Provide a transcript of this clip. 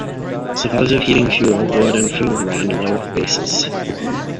Supplies of heating fuel, wood, and food ran low at bases.